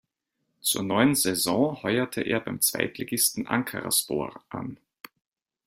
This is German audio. Zur neuen Saison heuerte er beim Zweitligisten Ankaraspor an.